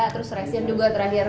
terus resin juga terakhir